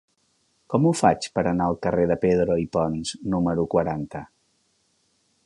Com ho faig per anar al carrer de Pedro i Pons número quaranta?